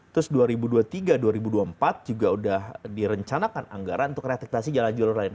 terus dua ribu dua puluh tiga dua ribu dua puluh empat juga udah direncanakan anggaran untuk reaktiftasi jalur jalur lain